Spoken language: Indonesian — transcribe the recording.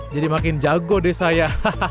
jadi makin jago deh saya